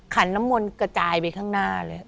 ขันน้ำมนต์กระจายไปข้างหน้าเลย